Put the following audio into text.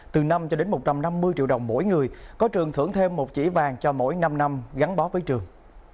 từ năm cho đến một trăm năm mươi triệu đồng mỗi người có trường thưởng thêm một chỉ vàng cho mỗi năm năm gắn bó với trường